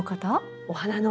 お花の。